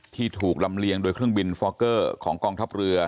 ถูกลำเลียงโดยเครื่องบินฟอร์เกอร์ของกองทัพเรือ